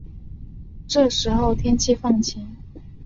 这时候天气放晴